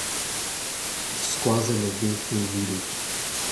Ur skoazell e vefe evidout.